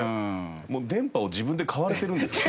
もう電波を自分で買われてるんですか？